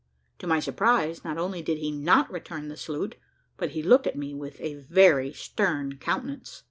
To my surprise, not only did he not return the salute, but he looked at me with a very stern countenance.